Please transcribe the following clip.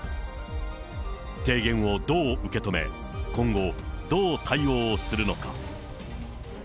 提言をどう受け止め、今後、どう対応するのか。